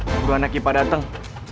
buruan nakipa dateng